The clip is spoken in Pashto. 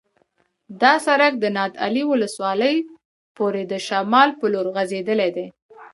دا سرک د نادعلي ولسوالۍ پورې د شمال په لور غځېدلی دی